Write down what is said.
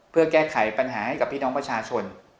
เพื่อแก้ไขปัญหาให้กับพี่น้องประชาชน